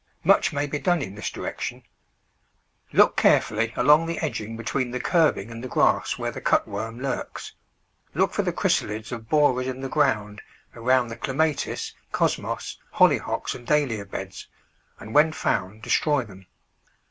Much may be done in this direction. Look carefully along the edging between the curbing and the grass where the cutworm lurks. Look for the chrysalids of borers in the ground around the Clematis, Cosmos, Holly 203 Digitized by Google 204 The Flower Garden [Chapter hocks, and Dahlia beds, and when found destroy them.